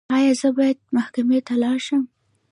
ایا زه باید محکمې ته لاړ شم؟